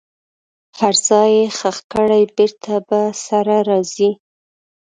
هر ځای یې ښخ کړئ بیرته به سره راځي.